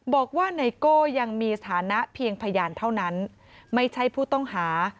ไนโก้ยังมีสถานะเพียงพยานเท่านั้นไม่ใช่ผู้ต้องหา